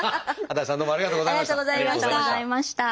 安達さんどうもありがとうございました。